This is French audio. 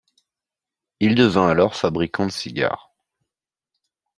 Il devient alors fabricant de cigares.